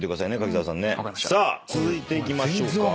続いていきましょうか。